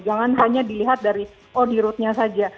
jangan hanya dilihat dari oh di rootnya saja